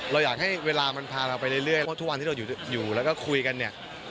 เราอยากให้เวลามันพาเราไปเรื่อยเพราะทุกวันที่เราอยู่แล้วก็คุยกันเนี่ย